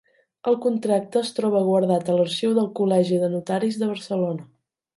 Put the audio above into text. El contracte es troba guardat a l'Arxiu del Col·legi de Notaris de Barcelona.